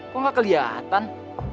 kok gak keliatan